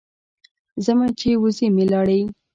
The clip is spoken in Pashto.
ځمه چې وزې مې لاړې.